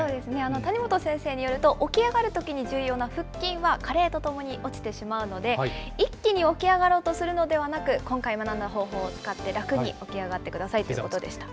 谷本先生によると、起き上がるときに重要な腹筋は加齢とともに落ちてしまうので、一気に起き上がろうとするのではなく、今回学んだ方法を使って、楽に起き上がってくださいということでした。